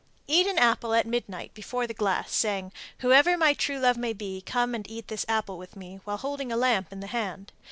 Eat an apple at midnight before the glass, saying, "Whoever my true love may be, come and eat this apple with me," while holding a lamp in the hand.